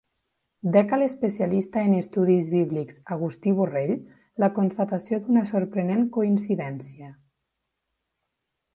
Dec a l'especialista en estudis bíblics Agustí Borrell la constatació d'una sorprenent coincidència.